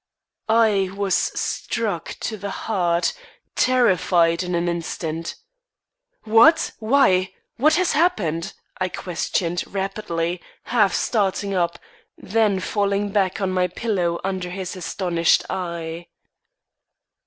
I was struck to the heart; terrified in an instant. "What? Why? What has happened?" I questioned, rapidly, half starting up, then falling back on my pillow under his astonished eye.